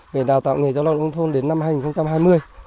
về đào tạo nghề giáo đoạn nông thôn đến năm hai nghìn hai mươi